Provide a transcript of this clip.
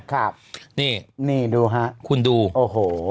ครับนี่คุณดูโอ้โห